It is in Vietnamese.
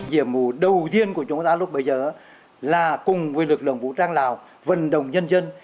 nhiệm vụ đầu tiên của chúng ta lúc bây giờ là cùng với lực lượng vũ trang lào vận động nhân dân